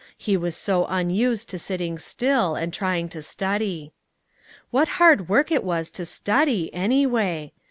He was so unused to sitting still, and trying to study. What hard work it was to study, any way!